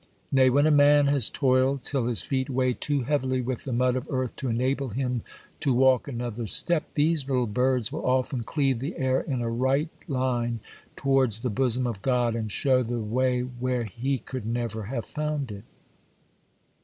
Nay, when a man has toiled till his feet weigh too heavily with the mud of earth to enable him to walk another step, these little birds will often cleave the air in a right line towards the bosom of God, and show the way where he could never have found it.